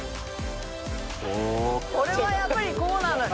これはやっぱりこうなのよ。